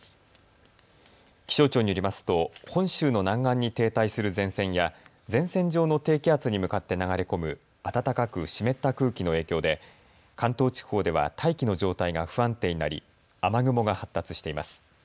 気象庁によりますと本州の南岸に停滞する前線や前線上の低気圧に向かって流れ込む暖かく湿った空気の影響で関東地方では大気の状態が不安定になり雨雲が発達しています。